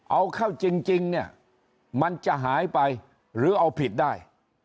เอาเข้าจริงเนี่ยมันจะหายไปหรือเอาผิดได้